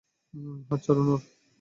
হাত ছাড়ুন ওর।